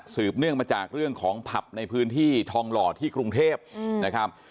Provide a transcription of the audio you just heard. เนื่องมาจากเรื่องของผับในพื้นที่ทองหล่อที่กรุงเทพนะครับ